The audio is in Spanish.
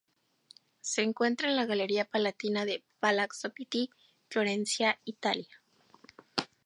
Se encuentra en la Galería Palatina de Palazzo Pitti, Florencia, Italia.